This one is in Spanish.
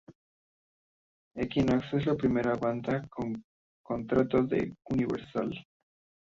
Equinox es la primera banda con contrato con Universal.